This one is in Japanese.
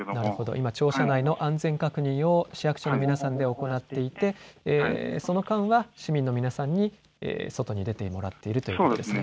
今、庁舎内の安全確認を市役所の皆さんで行っていてその間は市民の皆さんに外に出てもらっているということですね。